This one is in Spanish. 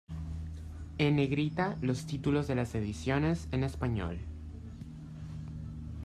En negrita los títulos de las ediciones en español.